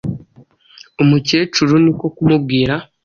umukecuru ni ko kumubwira